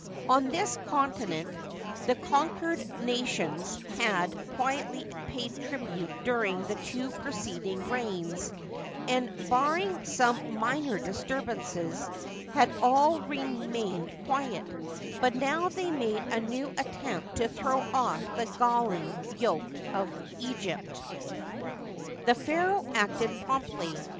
On this continent the conquered nations had quietly paid tribute during the two preceding reigns, and, barring some minor disturbances, had all remained quiet ; but now they made a new attempt to throw off the galling yoke of Egypt. The pharaoh acted promptly.